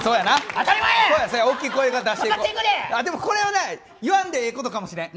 でもこれは言わんでええことかもしれん。